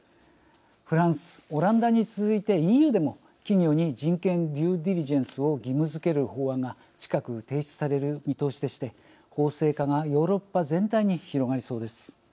フランス、オランダに続いてＥＵでも企業に人権デュー・ディリジェンスを義務づける法案が近く提示される見通しで法制化がヨーロッパ全体に広がりそうです。